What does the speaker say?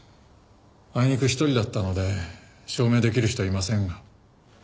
あいにく１人だったので証明出来る人はいませんが。